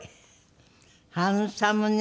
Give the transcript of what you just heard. ハンサムね。